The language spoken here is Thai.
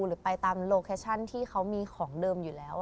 หรือไปตามโลเคชั่นที่เขามีของเดิมอยู่แล้ว